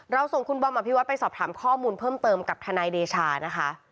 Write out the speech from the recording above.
ส่งคุณบอมอภิวัตไปสอบถามข้อมูลเพิ่มเติมกับทนายเดชานะคะ